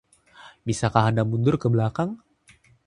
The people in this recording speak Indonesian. Bisakah Anda mundur ke belakang?